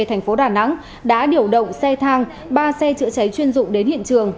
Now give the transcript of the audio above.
thành phố đà nẵng đã điều động xe thang ba xe chữa cháy chuyên dụng đến hiện trường